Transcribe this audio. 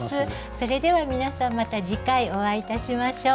それでは皆さんまた次回お会いいたしましょう。